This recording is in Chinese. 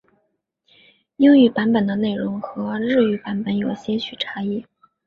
英语版本的内容和日语版本有些许差异。